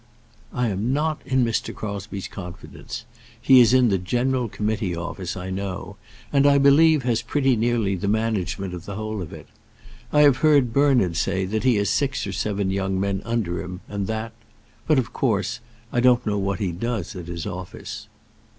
"I am not in Mr. Crosbie's confidence. He is in the General Committee Office, I know; and, I believe, has pretty nearly the management of the whole of it. I have heard Bernard say that he has six or seven young men under him, and that ; but, of course, I don't know what he does at his office."